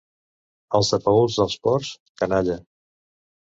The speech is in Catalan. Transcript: Els de Paüls dels Ports, canalla.